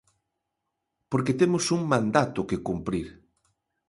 Porque temos un mandato que cumprir.